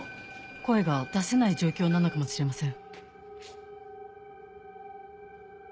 声が出せない状況なのかもしれません。